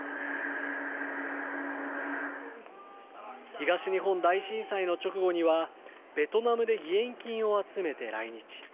東日本大震災の直後には、ベトナムで義援金を集めて来日。